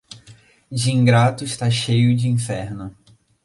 De ingrato, está cheio de inferno.